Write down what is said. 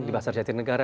di pasar jatinegara